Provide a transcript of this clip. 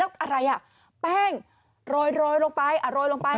แล้วอะไรอ่ะแป้งโรยลงไปโรยลงไป